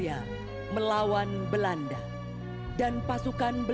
ini membahas sistem penyusupan kapten